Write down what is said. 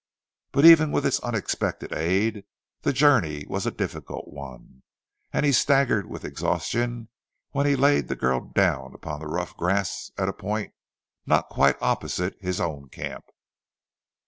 But even with its unexpected aid, the journey was a difficult one, and he staggered with exhaustion when he laid the girl down upon the rough grass at a point not quite opposite his own camp.